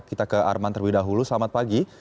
kita ke arman terlebih dahulu selamat pagi